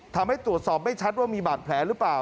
ทำให้ตรวจสอบไม่ชัดว่ามีบาดแผลหรือเปล่า